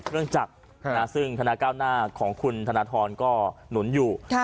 เรื่องจักรซึ่งธนาก้าวหน้าของคุณธนทรก็หนุนอยู่